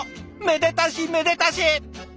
めでたしめでたし！